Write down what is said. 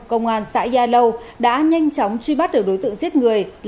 công an xã gia lâu đã nhanh chóng truy bắt được đối tượng giết người